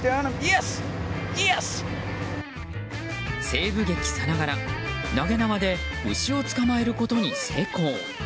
西部劇さながら、投げ縄で牛を捕まえることに成功。